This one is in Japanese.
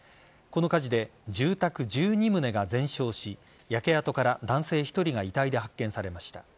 この火事で住宅１２棟が全焼し焼け跡から男性１人が遺体で発見されました。